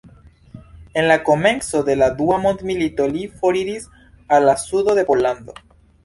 En la komenco de la Dua mondmilito li foriris al la sudo de Pollando.